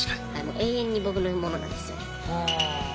永遠に僕のものなんですよね。